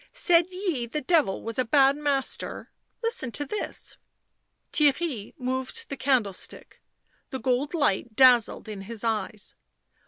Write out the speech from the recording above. Said ye the Devil was a bad master ?— listen to this." Theirry moved the candlestick ; the gold light dazzled in his eyes